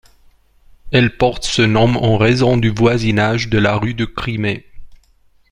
Elle porte ce nom en raison du voisinage de la rue de Crimée.